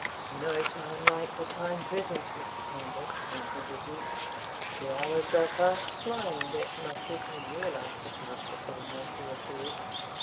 "No time like the time present, Mr. Campbell," answered the Duke, "for the hours are fast flying that must settle your last account with all mortal affairs.